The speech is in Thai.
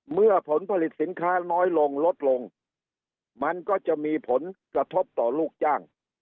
ผลผลิตสินค้าน้อยลงลดลงมันก็จะมีผลกระทบต่อลูกจ้าง